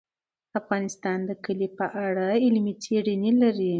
افغانستان د کلي په اړه علمي څېړنې لري.